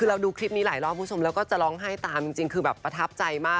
เราดูคลิปนี้หลายรอบแล้วก็จะร้องไห้ตามจริงประทับใจมาก